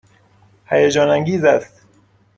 هیجان انگیز است.